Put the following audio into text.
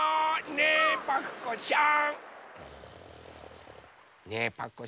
ねえパクこさん！